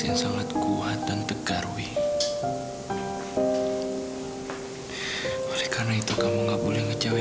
kamu harus sembuh yowi